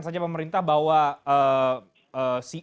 saya ingin menjelaskan saja pemerintah